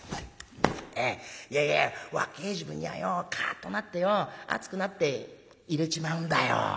「いやいや若え時分にはよかあっとなってよ熱くなって入れちまうんだよ。